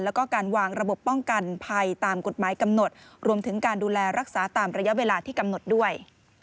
แล้วก็การวางระบบป้องกันภัยตามกฎหมายกำหนดรวมถึงการดูแลรักษาตามระยะเวลาที่กำหนดด้วย